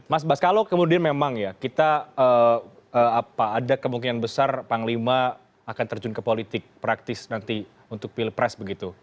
mas bas kalau kemudian memang ya kita ada kemungkinan besar panglima akan terjun ke politik praktis nanti untuk pilpres begitu